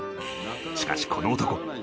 しかしこの男